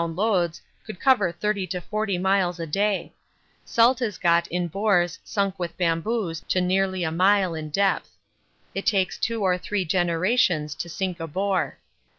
loads would cover 30 to 40 miles a day salt is got in bores sunk with bamboos to nearly a mile in depth; it takes two or three generations to sink a bore.